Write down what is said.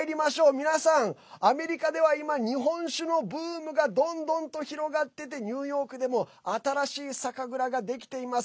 皆さん、アメリカでは今日本酒のブームがどんどんと広がっててニューヨークでも新しい酒蔵ができています。